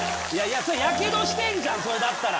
それやけどしてんじゃんそれだったら。